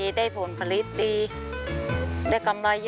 ดีได้ผลผลิตดี